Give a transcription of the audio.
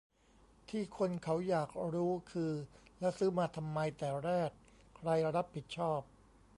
ที่คนเขาอยากรู้คือ แล้วซื้อมาทำไมแต่แรก ใครรับผิดชอบ